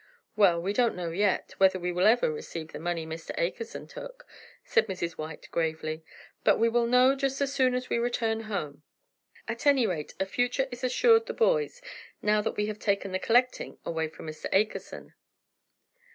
"Well, we don't know yet, whether we will ever receive the money Mr. Akerson took," said Mrs. White, gravely. "But we will know just as soon as we return home. At any rate, a future is assured the boys, now that we have taken the collecting away from Mr. Akerson."